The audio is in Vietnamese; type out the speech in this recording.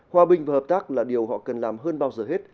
hòa bình và hợp tác là điều họ cần làm hơn bao giờ hết